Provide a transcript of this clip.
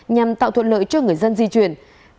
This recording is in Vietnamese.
nhằm tạo thuận lợi cho người dân di chuyển